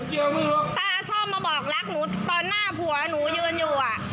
ตาชอบมาบอกรักหนูตอนหน้าผัวหนูยืนอยู่อ่ะ